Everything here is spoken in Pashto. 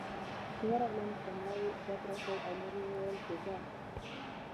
چې ورغلم په ملا یې ډب راکړ او نور یې وویل چې ځه.